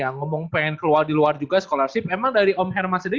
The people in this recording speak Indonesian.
yang ngomong pengen keluar di luar juga scholarship emang dari om herman sendiri